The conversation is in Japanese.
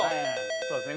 そうですね